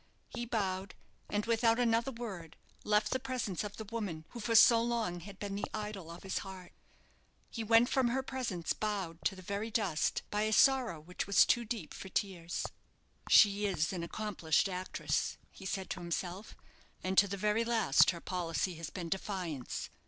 He bowed, and without another word left the presence of the woman who for so long had been the idol of his heart. He went from her presence bowed to the very dust by a sorrow which was too deep for tears. "She is an accomplished actress," he said to himself; "and to the very last her policy has been defiance.